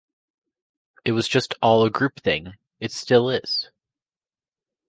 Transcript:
It was just all a group thing, it still is.